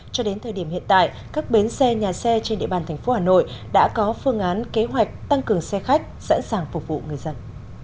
cho đến thời điểm hiện tại các bến xe nhà xe trên địa bàn thành phố hà nội đã có phương án kế hoạch tăng cường xe khách sẵn sàng phục vụ người dân